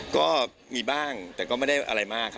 ก็มีบ้างแต่ก็ไม่ได้อะไรมากครับ